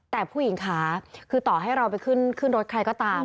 แต่ผู้หญิงค่ะคือต่อให้เราไปขึ้นรถใครก็ตาม